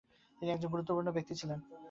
তিনি একজন গুরুত্বপূর্ণ ব্যক্তি ছিলেন।